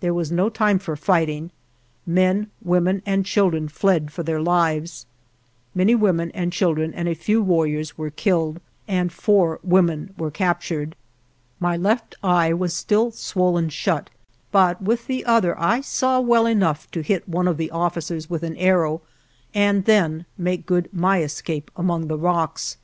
There was no time for fighting. Men, women, and children fled for their lives. Many women and children and a few warriors were killed, and four women were captured. My left eye was still swollen shut, but with the other I saw well enough to hit one of the officers with an arrow, and then make good my escape among the rocks.